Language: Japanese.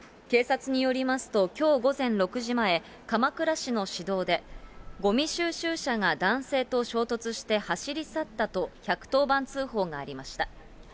警察によりますと、きょう午前６時前、鎌倉市の市道で、ごみ収集車が男性と衝突して走り去ったと、１１０番通報がありました。